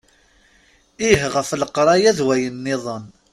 Ih ɣef leqraya d wayen-nniḍen.